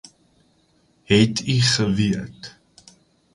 Het u geweet